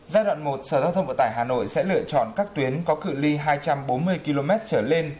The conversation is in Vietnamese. giai đoạn một sở giao thông vận tải hà nội sẽ lựa chọn các tuyến có cự li hai trăm bốn mươi km trở lên